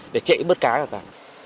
để chạy bớt cá